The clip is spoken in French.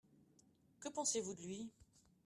Que pensez-vous de lui ?